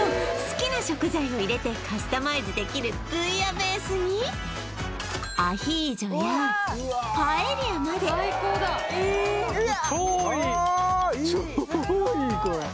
好きな食材を入れてカスタマイズできるブイヤベースにアヒージョやパエリアまで超いい